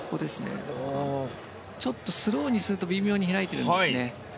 ちょっとスローにすると微妙に開いていますね。